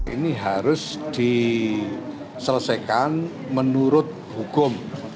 ini harus diselesaikan menurut hukum